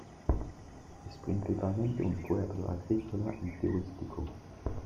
Es principalmente un pueblo agrícola y turístico.